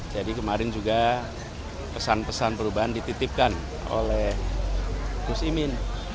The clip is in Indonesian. jadi kemarin juga pesan pesan perubahan dititipkan oleh gus imin